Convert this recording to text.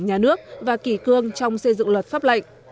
nhà nước và kỷ cương trong xây dựng luật pháp lệnh